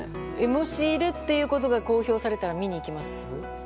もし、いるということが公表されたら見に行きますか。